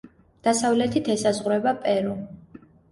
დასავლეთით ესაზღვრება პერუ.